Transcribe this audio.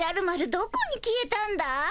どこに消えたんだい？